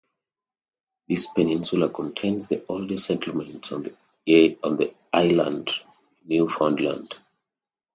This peninsula contains the oldest settlements on the island of Newfoundland.